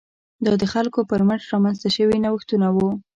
دا د خلکو پر مټ رامنځته شوي نوښتونه وو.